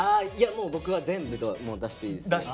もう僕は全部出していいですね。